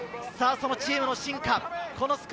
そのチームの進化。